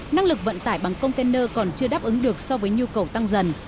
năng lực vận tải bằng container còn chưa đáp ứng được so với nhu cầu tăng dần